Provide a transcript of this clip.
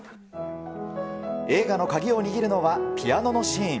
映画の鍵を握るのはピアノのシーン。